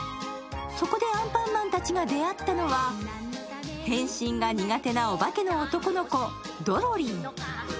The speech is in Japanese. そこで、アンパンマンたちが出会ったのは、変身が苦手なお化けの男の子ドロリン。